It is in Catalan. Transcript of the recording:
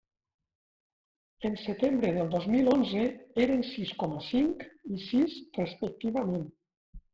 En setembre del dos mil onze eren sis coma cinc i sis respectivament.